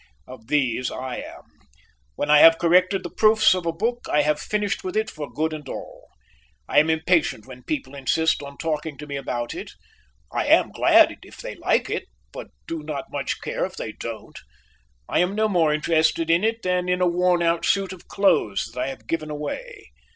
Of these I am. When I have corrected the proofs of a book, I have finished with it for good and all. I am impatient when people insist on talking to me about it; I am glad if they like it, but do not much care if they don't. I am no more interested in it than in a worn out suit of clothes that I have given away.